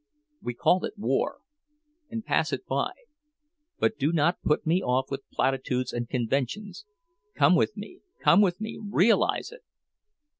We call it War, and pass it by—but do not put me off with platitudes and conventions—come with me, come with me—_realize it!